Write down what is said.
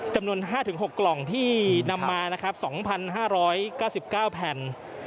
จำนวน๕๖กล่องที่นำมา๒๕๙๙แผ่น